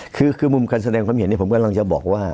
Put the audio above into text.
คือมุมการแสดงความเห็นผมกำลังจะบอกว่า